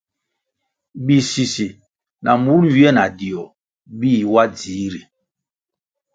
Bisisi na mur nywie na dio bih wa dzihri.